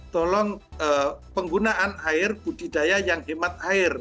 tolong penggunaan air budidaya yang hemat air